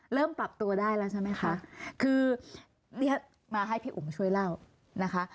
ปรับตัวได้แล้วใช่ไหมคะคือเรียกมาให้พี่อุ๋มช่วยเล่านะคะ